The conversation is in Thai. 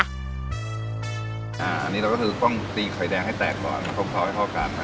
อันนี้เราก็คือต้องตีไข่แดงให้แตกก่อนแล้วข้อมูลให้พอกันนะครับ